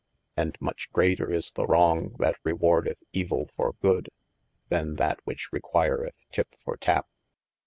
And much greater is the wrong that rewardeth evill for good, than that which requireth tip for tap.